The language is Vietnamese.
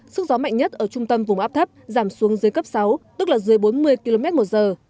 sức gió mạnh nhất ở trung tâm vùng áp thấp giảm xuống dưới cấp sáu tức là dưới bốn mươi km một giờ